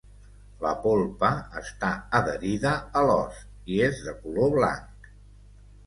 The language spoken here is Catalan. La polpa està adherida a l'os i és de color blanc.